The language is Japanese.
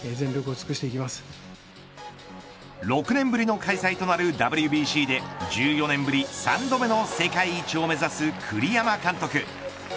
６年ぶりの開催となるＷＢＣで１４年ぶり３度目の世界一を目指す、栗山監督。